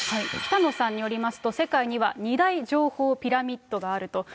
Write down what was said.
北野さんによりますと、世界には２大情報ピラミッドがあると。